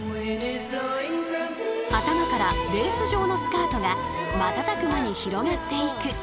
頭からレース状のスカートが瞬く間に広がっていく。